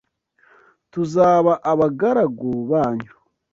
tuzaba abagaragu banyu